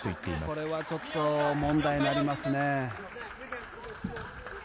これはちょっと問題になりますね。